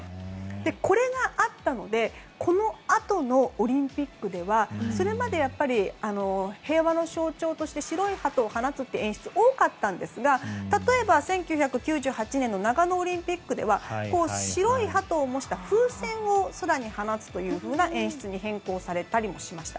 これがあったのでこのあとのオリンピックではそれまで平和の象徴として白いハトを放つっていう演出が多かったんですが例えば１９９８年の長野オリンピックでは白いハトを模した風船を空に放つという演出に変更されたりもしました。